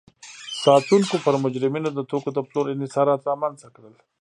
ساتونکو پر مجرمینو د توکو د پلور انحصارات رامنځته کړل.